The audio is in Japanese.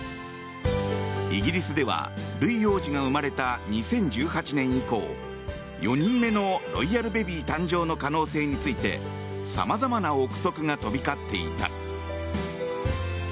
イギリスではルイ王子が生まれた２０１８年以降４人目のロイヤルベビー誕生の可能性についてさまざまな憶測が